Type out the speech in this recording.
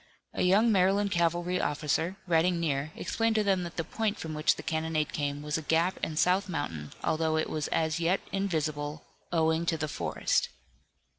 A young Maryland cavalry officer, riding near, explained to them that the point from which the cannonade came was a gap in South Mountain, although it was as yet invisible, owing to the forest.